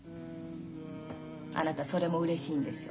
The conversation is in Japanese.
あなたそれもうれしいんでしょ。